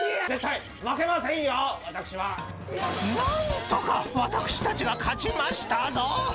［何とか私たちが勝ちましたぞ！］